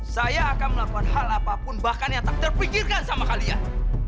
saya akan melakukan hal apapun bahkan yang tak terpikirkan sama kalian